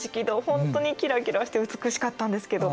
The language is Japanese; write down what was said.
ほんとにキラキラして美しかったんですけど。